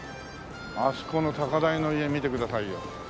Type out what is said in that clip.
あそこの高台の家見てくださいよ。